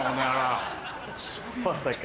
まさか。